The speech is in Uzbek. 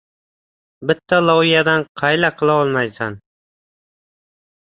• Bitta loviyadan qayla qila olmaysan.